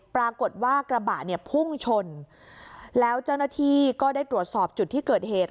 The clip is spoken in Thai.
ปรากฏว่ากระบะเนี่ยพุ่งชนแล้วเจ้าหน้าที่ก็ได้ตรวจสอบจุดที่เกิดเหตุ